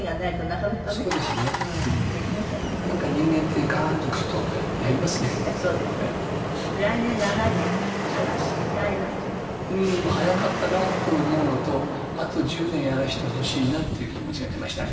うーん早かったなと思うのとあと１０年やらせてほしいなっていう気持ちが出ましたね。